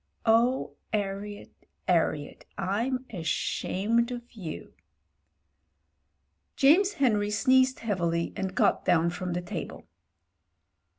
Oh ! 'Arriet, 'Arriet — I'm ashamed of you." James Henry sneezed heavily and got down from the table.